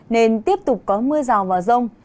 nên tiếp tục có mưa rào vào rông